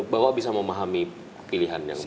bapak bisa memahami pilihan yang luar biasa